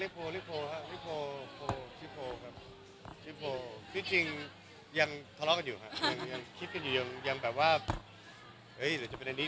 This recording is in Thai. เป็นอะไรแบบนี้